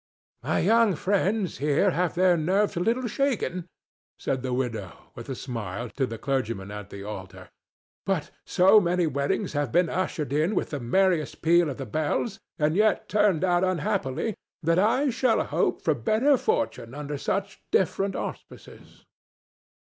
"My young friends here have their nerves a little shaken," said the widow, with a smile, to the clergyman at the altar. "But so many weddings have been ushered in with the merriest peal of the bells, and yet turned out unhappily, that I shall hope for better fortune under such different auspices."